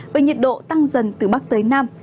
với nhiệt độ tăng dần từ bắc tới nam